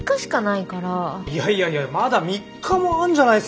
いやいやいやまだ３日もあるじゃないすか。